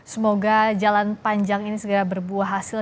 semoga jalan panjang ini segera berbuah hasil